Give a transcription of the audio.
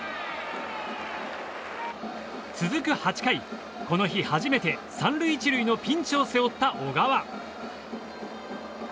続く８回、この日初めて３塁１塁のピンチを背負った小川。